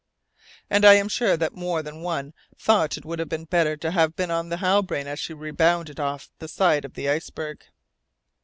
And I am sure that more than one thought it would have been better to have been on the Halbrane as she rebounded off the side of the iceberg!